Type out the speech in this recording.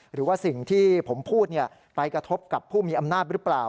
หรือว่าสิ่งที่ผมพูดไปกระทบกับผู้มีอำนาจหรือเปล่า